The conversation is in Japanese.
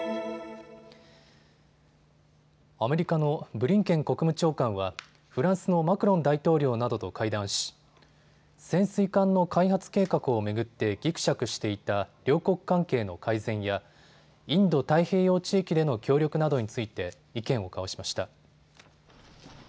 アメリカのブリンケン国務長官はフランスのマクロン大統領などと会談し潜水艦の開発計画を巡ってぎくしゃくしていた両国関係の改善やインド太平洋地域での協力などについて意見を交わしました。